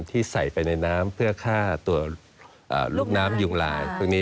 ที่ใส่ไปในน้ำเพื่อฆ่าตัวลูกน้ำยุงลายพวกนี้